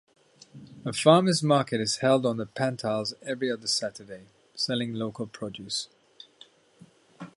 A farmer's market is held on the Pantiles every other Saturday, selling local produce.